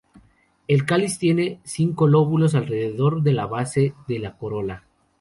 El cáliz tiene cinco lóbulos alrededor de la base de la corola.